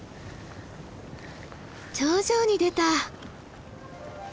頂上に出た！